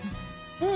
うん。